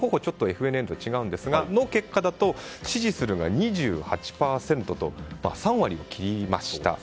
ＦＮＮとちょっと違うんですがその結果だと支持するが２８％と３割を切りました。